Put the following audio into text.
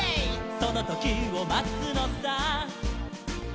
「そのときをまつのさ」